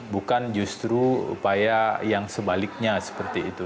bukan justru upaya yang sebaliknya seperti itu